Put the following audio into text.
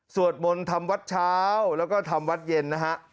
สวดมนต์ทำวัดเช้าแล้วก็ทำวัดเย็นนะฮะ